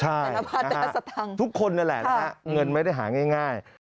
ใช่ทุกคนนั่นแหละนะครับเงินไม่ได้หาง่าย